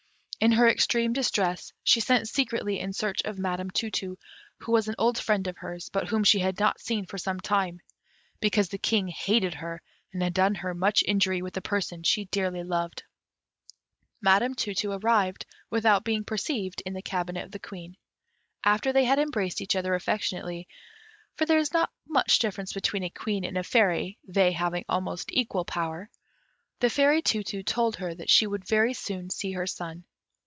In her extreme distress, she sent secretly in search of Madam Tu tu, who was an old friend of hers, but whom she had not seen for some time, because the King hated her, and had done her much injury with a person she dearly loved. Madam Tu tu arrived, without being perceived, in the cabinet of the Queen. After they had embraced each other affectionately for there is not much difference between a Queen and a Fairy, they having almost equal power, the Fairy Tu tu told her that she would very soon see her son.